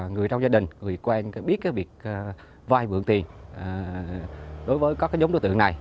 người trong gia đình người quen biết việc vay bượng tiền đối với các nhóm đối tượng này